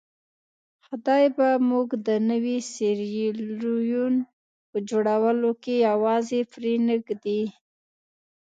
خدای به موږ د نوي سیریلیون په جوړولو کې یوازې پرې نه ږدي.